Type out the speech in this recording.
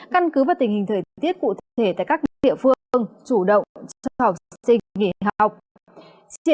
căn cứ vào tình hình thời tiết cụ thể tại các địa phương chủ động cho học sinh nghỉ học